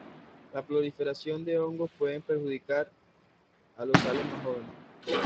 La proliferación de hongos pueden perjudicar a los sales más jóvenes.